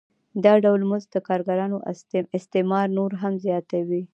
دا ډول مزد د کارګرانو استثمار نور هم زیاتوي